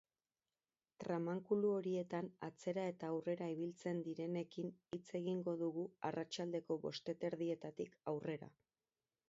Tramankulu horietan atzera eta aurrera ibilitzen direnekin hitz egingo dugu arratsaldeko bosterdietatik aurrera.